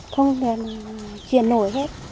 không thể là chuyển nổi hết